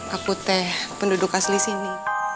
aku penduduk asli sini